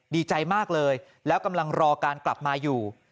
ดีใจมากเลยแล้วกำลังรอการกลับมาอยู่